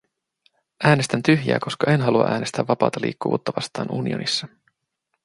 Äänestän tyhjää, koska en halua äänestää vapaata liikkuvuutta vastaan unionissa.